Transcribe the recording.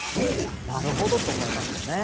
なるほどと思いますよね。